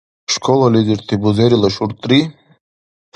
Школализирти бузерила шуртӀри?